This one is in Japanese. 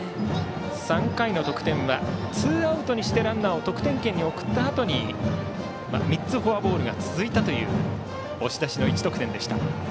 ３回の得点はツーアウトにしてランナーを得点圏に送ったあとに３つフォアボールが続いたという押し出しの１得点でした。